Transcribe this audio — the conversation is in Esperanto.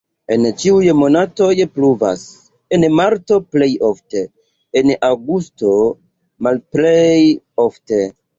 En ĉiuj monatoj pluvas, en marto plej ofte, en aŭgusto malplej ofte.